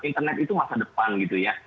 internet itu masa depan gitu ya